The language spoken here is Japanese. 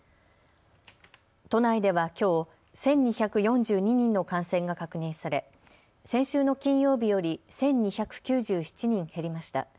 都内ではきょう１２４２人の感染が確認され先週の金曜日より１２９７人減りました。